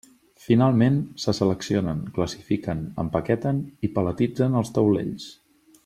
Finalment, se seleccionen, classifiquen, empaqueten i paletitzen els taulells.